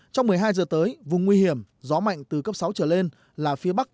trong một mươi hai giờ tới vùng nguy hiểm gió mạnh từ cấp sáu trở lên là phía bắc